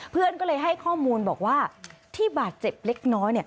เพื่อนก็เลยให้ข้อมูลบอกว่าที่บาดเจ็บเล็กน้อย